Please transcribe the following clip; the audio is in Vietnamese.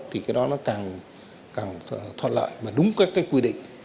thì cái đó nó càng thoạt lợi và đúng cái quy định